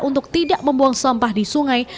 untuk tidak membuang sampah di sungai